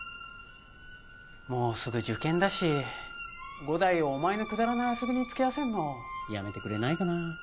もうすぐ受験だし伍代をお前のくだらない遊びに付き合わせんのやめてくれないかな